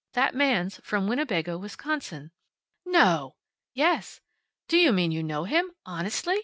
That man's from Winnebago, Wisconsin." "No!" "Yes." "Do you mean you know him? Honestly?